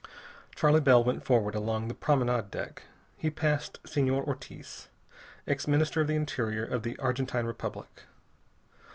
Charley Bell went forward along the promenade deck. He passed Senor Ortiz, ex Minister of the Interior of the Argentine Republic.